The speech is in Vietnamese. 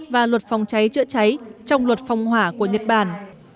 và luật phòng cháy chữa cháy trong luật phòng hỏa của nhật bản